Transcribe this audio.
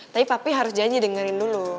tapi papi harus janji dengerin dulu